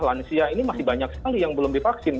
lansia ini masih banyak sekali yang belum divaksin